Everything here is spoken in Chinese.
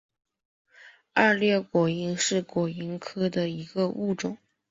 二裂果蝇是果蝇科的一个物种。